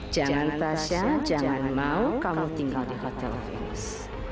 jangan tasya jangan mau kamu tinggal di hotel venus